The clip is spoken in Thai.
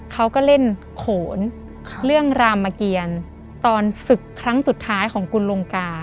เขาก็เล่นโขนเรื่องรามเกียรตอนศึกครั้งสุดท้ายของคุณลงกา